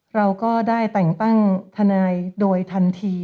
เราก็ได้แต่งตั้งทนายโดยทันที